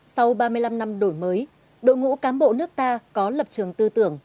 sau ba mươi năm năm đổi mới đội ngũ cán bộ nước ta có lập trường tư tưởng